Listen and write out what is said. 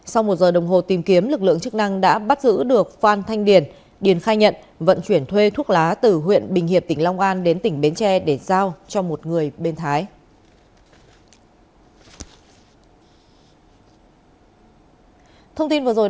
sau một giờ đồng hồ tìm kiếm lực lượng chức năng đã bắt giữ được phan thanh điền điền khai nhận vận chuyển thuê thuốc lá từ huyện bình hiệp tỉnh long an đến tỉnh bến tre để giao cho một người bên thái